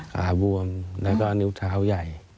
ขาบวมแล้วก็นิ้วเท้าใหญ่